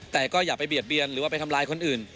แต่ก็อย่าไปเบียดเบียนหรือว่าไปทำร้ายคนอื่น